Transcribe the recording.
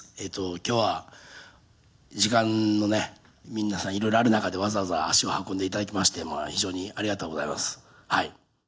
きょうは時間のね、皆さんいろいろある中で、わざわざ足を運んでいただきまして、非常にありがとうございます。